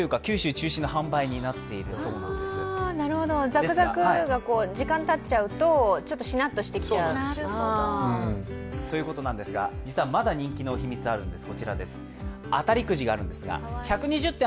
ザクザクが時間がたっちゃうとちょっとしなっとしてきちゃうと。ということなんですが実はまだ人気の秘密があるんです。